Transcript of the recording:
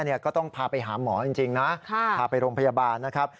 ก็ต้องพาไปหาหมอจริงนะพาไปโรงพยาบาลนะครับ